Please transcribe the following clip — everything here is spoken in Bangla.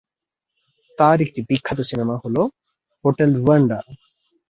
তার একটি বিখ্যাত সিনেমা হল হোটেল রুয়ান্ডা।